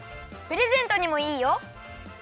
プレゼントにもいいよ！